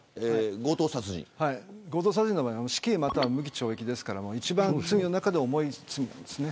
強盗殺人の場合は死刑または無期懲役ですから一番、罪の中でも重いです。